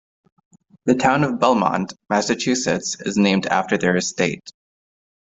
The town of Belmont, Massachusetts is named after their estate.